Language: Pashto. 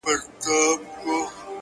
نن به یاد سي په لنډیو کي نومونه!